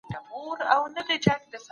هغه عالم چی دا کتاب یې لیکلی ډېر پوه و.